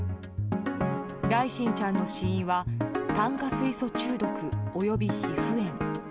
來心ちゃんの死因は炭化水素中毒および皮膚炎。